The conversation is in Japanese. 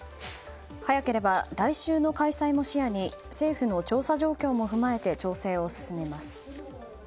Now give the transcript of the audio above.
早ければ来週の開催も視野に政府の調査状況も踏まえて調整を進めます。